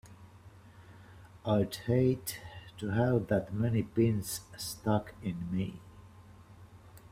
I'd hate to have that many pins stuck in me!